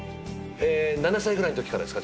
７歳ぐらいのときからですか？